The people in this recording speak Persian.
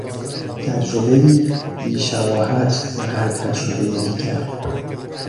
تجربهای بیشباهت به هر تجربهی دیگر